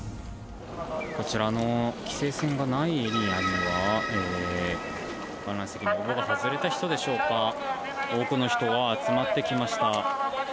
こちらの規制線がないエリアには観覧席の応募が外れた人でしょうか多くの人が集まってきました。